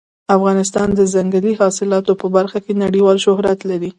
افغانستان د ځنګلي حاصلاتو په برخه کې نړیوال شهرت لري.